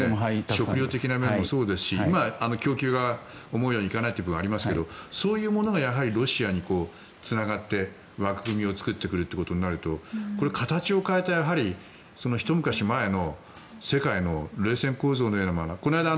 食糧的な面もそうですし今、供給が思うように行かないところがありますがそういうものがロシアにつながって枠組みを作ってくるということになると形を変えたひと昔前の世界の冷戦構造のようなこの間